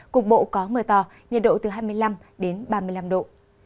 cục bộ có mưa to nhiệt độ từ hai mươi năm đến ba mươi năm độ